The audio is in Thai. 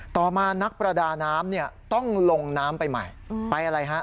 ต่อมานักประดาน้ำเนี่ยต้องลงน้ำไปใหม่ไปอะไรฮะ